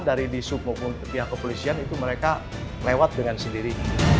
dari di sub maupun pihak kepolisian itu mereka lewat dengan sendiri